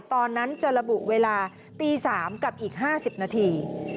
ตอนนั้นจะระบุเวลาตี๓กับอีก๕๐นาที